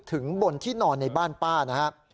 ถึงบนที่นอนในบ้านป้านะครับ